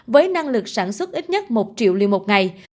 với năng lực sản xuất ít nhất một triệu liều một ngày